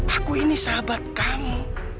aku ini sahabat kamu